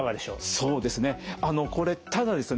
そうですね。